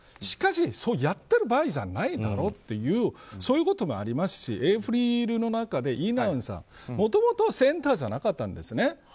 しかしやってる場合じゃないだろってそういうこともありますしＡｐｒｉｌの中でナウンさんは、もともとセンターじゃなかったんですね。